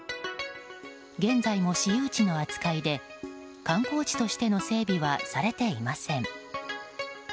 現在も私有地の扱いで観光地としての整備はされていませんん。